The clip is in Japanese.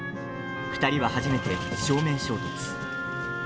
２人は初めて正面衝突。